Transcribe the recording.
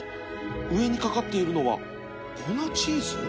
上に掛かっているのは粉チーズ？